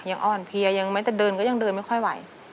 ยังอ่อนเพลียยังแม้แต่เดินก็ยังเดินไม่ค่อยไหว